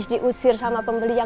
tahan dulu si target restraint